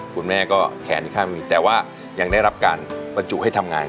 คุณแม่ก็แขนอีกข้างหนึ่งแต่ว่ายังได้รับการบรรจุให้ทำงาน